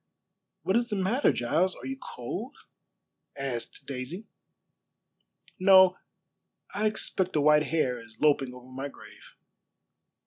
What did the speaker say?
"What is the matter, Giles? Are you cold?" asked Daisy. "No; I expect a white hare is loping over my grave."